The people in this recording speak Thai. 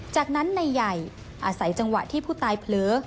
จากนั้นนายใหญ่อาศัยจังหวะที่ผู้ตายเผลอ